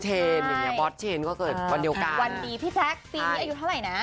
วันดีพี่แจ๊คปีนี้อายุเท่าไหร่น่ะ